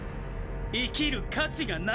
生きる価値が無いと！